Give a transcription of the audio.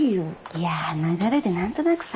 いや流れで何となくさ。